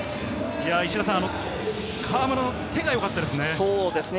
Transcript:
石田さん、河村の手がよかったですね。